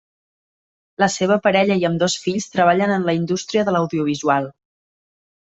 La seva parella i ambdós fills treballen en la indústria de l'audiovisual.